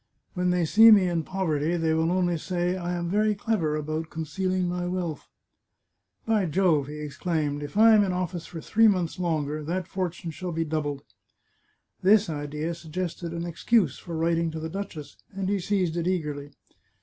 When they see me in poverty they will only say I am very clever about concealing my wealth. By Jove !" he exclaimed, " if I am in office for three months longer that fortune shall be doubled !" This idea suggested an excuse for writing to the duchess, and he seized it eagerly.